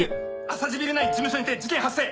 アサジビル内事務所にて事件発生！